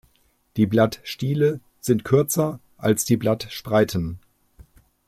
Die Blattstiele sind kürzer als die Blattspreiten.